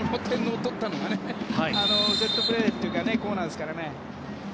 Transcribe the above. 点を取ったのがセットプレーっていうかコーナーですからね。